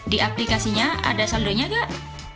di aplikasinya ada saldonya gak